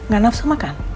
gak nafsu makan